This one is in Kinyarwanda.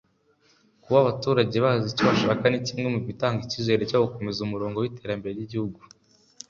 Kuba abaturage bazi icyo bashaka ni kimwe mu bitanga icyizere cyo gukomeza umurongo w’iterambere ry’igihugu